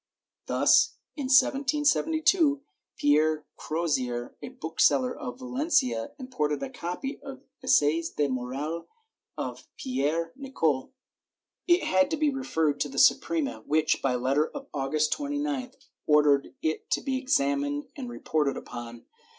Thus, in 1772, Pierre Crozier, a bookseller of Valencia, imported a copy of the Essais de Morale of Pierre Nicole. It had to be referred to the Su prema, which, by letter of August 29th, ordered it to be examined and reported upon.